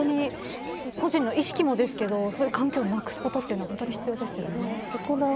本当に個人の意識もですけどそういう環境をなくすことはほんとに必要ですよね。